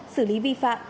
xử lý vi phạm